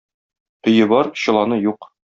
Өе бар, чоланы юк.